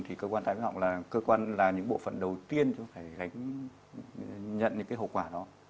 thì cơ quan tai mũi họng là những bộ phận đầu tiên chúng ta phải nhận những hậu quả đó